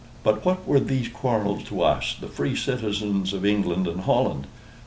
But what were these quarrels to us, the free citizens of England and Holland!